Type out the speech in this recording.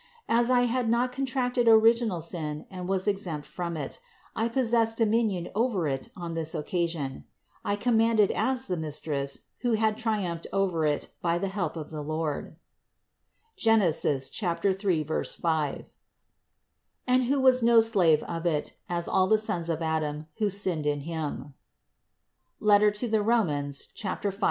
As I had not contracted original sin and was exempt from it, I possessed do minion over it on this occasion: I commanded as the Mistress, who had triumphed over it by the help of the Lord (Gen. 3, 5), and who was no slave of it, as all the sons of Adam, who sinned in him (Rom. 5, 12).